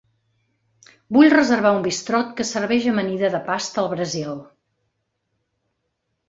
Vull reservar un bistrot que serveix amanida de pasta al Brasil.